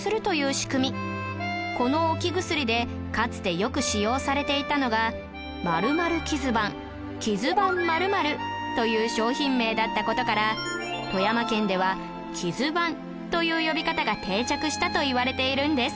この置き薬でかつてよく使用されていたのが○○キズバンキズバン○○という商品名だった事から富山県ではキズバンという呼び方が定着したといわれているんです